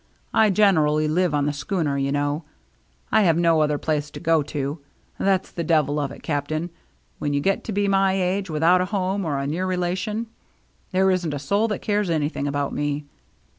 I generally live on the schooner, you know. I have no other place to go to. That's the devil of it, Cap'n, when you get to be my age without a home or a near relation. There isn't a soul that cares anything about me."